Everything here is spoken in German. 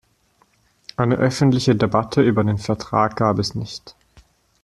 Eine öffentliche Debatte über den Vertrag gab es nicht.